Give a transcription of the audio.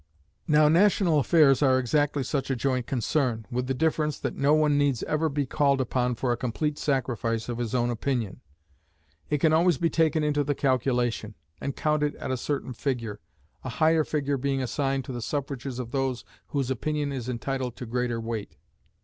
Now national affairs are exactly such a joint concern, with the difference that no one needs ever be called upon for a complete sacrifice of his own opinion. It can always be taken into the calculation, and counted at a certain figure, a higher figure being assigned to the suffrages of those whose opinion is entitled to greater weight.